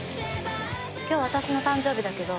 今日私の誕生日だけど。